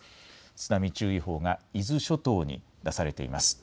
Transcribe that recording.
津波注意報が伊豆諸島に出されています。